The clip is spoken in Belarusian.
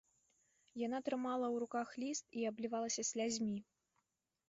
Яна трымала ў руках ліст і аблівалася слязьмі.